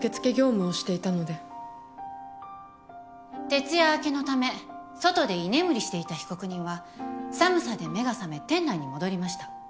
徹夜明けのため外で居眠りしていた被告人は寒さで目が覚め店内に戻りました。